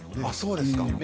あっそうですか。